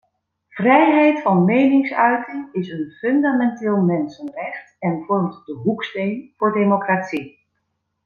Vrijheid van meningsuiting is een fundamenteel mensenrecht en vormt de hoeksteen voor democratie.